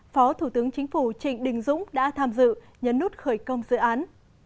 phó thủ tướng chính phủ trịnh đình dũng đã tham dự nhấn nút khởi công dự án